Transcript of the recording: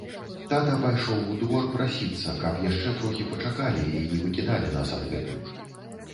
Тата пайшоў у двор прасіцца, каб яшчэ трохі пачакалі і не выкідалі нас адгэтуль.